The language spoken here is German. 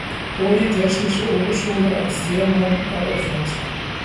Polytechnische Oberschule "Ernst Thälmann" eröffnet.